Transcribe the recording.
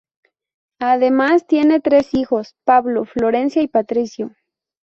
Además, tiene tres hijos: Pablo, Florencia y Patricio.